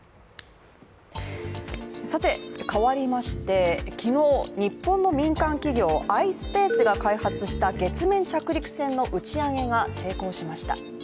変わりまして、昨日、日本の民間企業ｉｓｐａｃｅが開発した月面着陸船の打ち上げが成功しました。